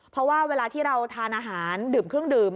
เพราะว่าเวลาที่เราทานอาหารดื่มเครื่องดื่ม